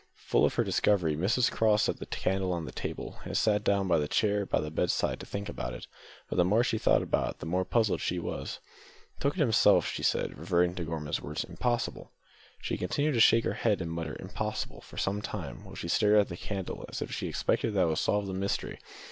Full of her discovery, Mrs Craw set the candle on the table, and sat down on the chair by the bedside to think about it; but the more she thought about it the more puzzled she was. "Took it himself," she said, reverting to Gorman's words. "Impossible!" She continued to shake her head and mutter "Impossible" for some time, while she stared at the candle as if she expected that it would solve the mystery.